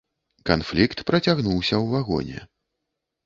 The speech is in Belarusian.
Канфлікт працягнуўся ў вагоне.